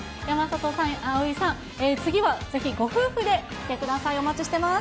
山里さん、蒼井さん、次はぜひご夫婦できてください。